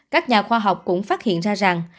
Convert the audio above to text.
các nhà khoa học cũng phát hiện ra rằng